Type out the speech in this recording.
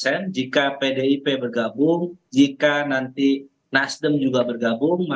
sekurang kurangnya lima puluh jika pdip bergabung jika nanti nasdem juga bergabung